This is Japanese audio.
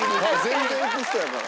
全然いく人やから。